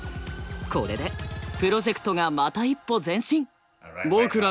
これでプロジェクトがまた一歩前進！